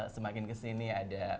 semakin kesini ada